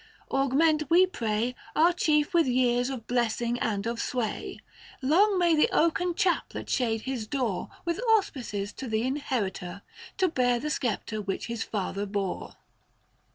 Augment we pray Our chief with years of blessing and of sway. Long may the oaken chaplet shade his door 660 With auspices to the inheritor To bear the sceptre which his father bore.